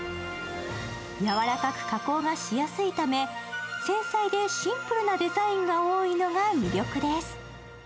やわらかく加工がしやすいため、繊細でシンプルなデザインが多いのが魅力です。